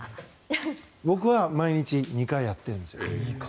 僕は毎日２回やってるんです。